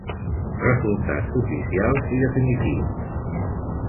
"Resultats oficials i definitius.